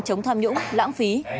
chống tham nhũng lãng phí